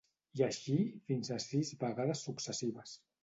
I així fins a sis vegades successives.